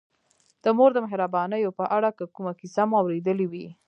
د مور د مهربانیو په اړه که کومه کیسه مو اورېدلې وي.